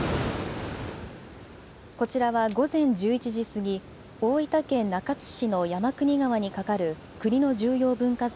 こちらは午前１１時過ぎ大分県中津市の山国川に架かる国の重要文化財